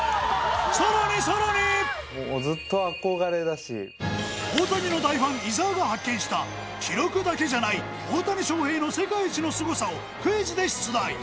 さらにさらに大谷の大ファン伊沢が発見した記録だけじゃない大谷翔平の世界一のすごさをクイズで出題